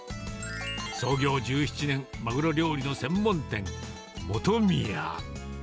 創業１７年、マグロ料理の専門店、もとみや。